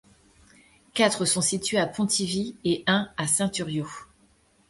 Quatre sont situés à Pontivy et un à Saint-Thuriau.